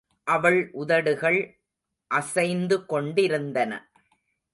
அவள் உதடுகள் அசைந்து கொண்டிருந்தன.